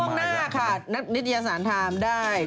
ในช่วงหน้าค่ะนักนิตยสารทามได้